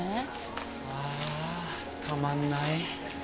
ああたまんない。